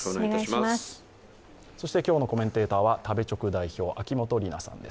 そして今日のコメンテーターは食べチョク代表秋元里奈さんです。